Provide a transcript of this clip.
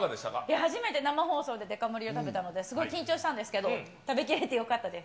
初めて生放送ででか盛りを食べたのですごい緊張したんですけれども、食べ切れてよかったです。